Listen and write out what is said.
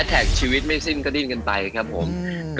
แท็กชีวิตไม่สิ้นก็ดิ้นกันไปครับผม